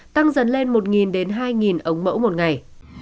tăng dần lên một hai ống mẫu một ngày